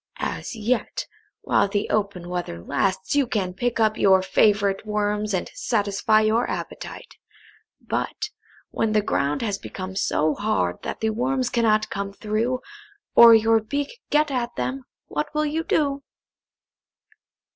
"As yet, while the open weather lasts, you can pick up your favourite worms, and satisfy your appetite. But, when the ground has become so hard that the worms cannot come through, or your beak get at them, what will you do?"